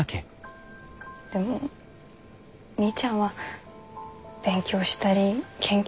でもみーちゃんは勉強したり研究。